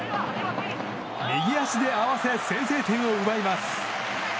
右足で合わせ先制点を奪います。